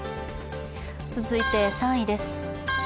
続いて３位です。